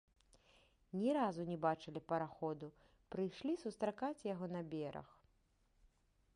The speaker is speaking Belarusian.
Ні разу не бачылі параходу, прыйшлі сустракаць яго на бераг.